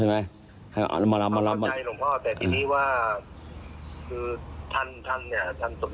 ใช่ไหมมารับมารับแต่ทีนี้ว่าคือท่านท่านเนี้ยท่านสมนึกอ่ะ